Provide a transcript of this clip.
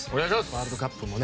ワールドカップもね